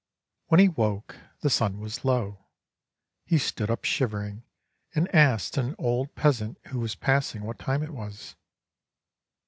When he woke the sun was low. He stood up shivering and asked an old peasant who was passing what time it was.